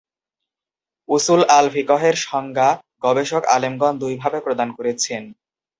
উসুল আল ফিকহের সংজ্ঞা গবেষক আলেমগণ দুই ভাবে প্রদান করেছেন।